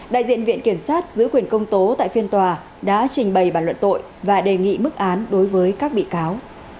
đại diện viện kiểm sát giữ quyền công tố tại phiên tòa đã trình bày bản luận tội và đề nghị mức án đối với các bị cáo